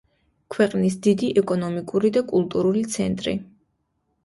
ქვეყნის დიდი ეკონომიკური და კულტურული ცენტრი.